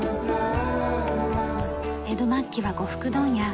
江戸末期は呉服問屋